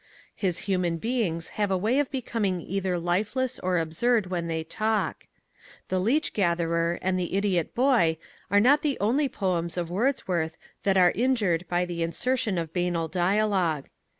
His human beings have a way of becoming either lifeless or absurd when they talk. The Leech Gatherer and The Idiot Boy are not the only poems of Wordsworth that are injured by the insertion of banal dialogue.